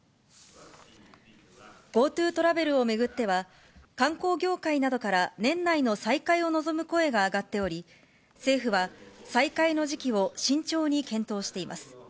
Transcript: ＧｏＴｏトラベルを巡っては、観光業界などから、年内の再開を望む声が上がっており、政府は再開の時期を慎重に検討しています。